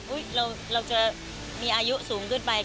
เราจะมีอายุสูงขึ้นไป